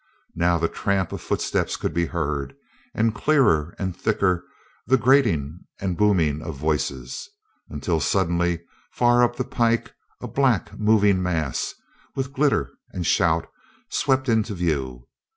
Now the tramp of footsteps could be heard, and clearer and thicker the grating and booming of voices, until suddenly, far up the pike, a black moving mass, with glitter and shout, swept into view.